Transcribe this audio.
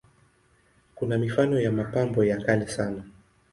Kuna mifano ya mapambo ya kale sana.